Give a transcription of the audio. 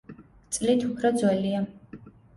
წლით უფრო ძველია.